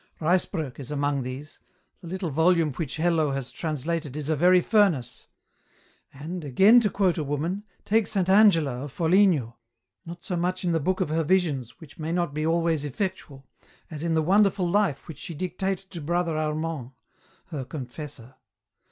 Ruysbrock is among these. The little volume which Hello has translated is a very furnace ; and, again, to quote a woman, take Saint Angela of Foligno, not so much in the book of her visions which may not be always effectual, as in the wonderful life which she dictated to Brother Armand, her confessor.